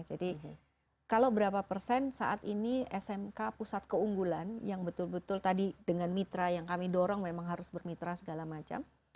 jadi kalau berapa persen saat ini smk pusat keunggulan yang betul betul tadi dengan mitra yang kami dorong memang harus bermitra segala macam